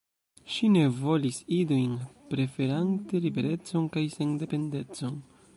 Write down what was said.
Ŝi ne volis idojn, preferante liberecon kaj sendependecon.